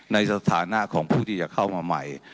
สถานะของผู้ที่จะเข้ามาใหม่